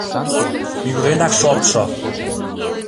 Мӱгыренак шортшо!